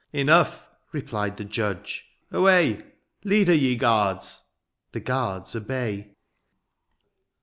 ^ ^yy Enough,'' replied the judge, " away !— Lead her, ye guards." — ^The guards obey.